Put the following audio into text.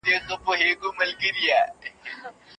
هغه د منځلارۍ لار عملي کړه.